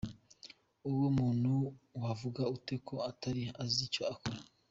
Uwo muntu wavuga ute ko atari azi icyo akora ?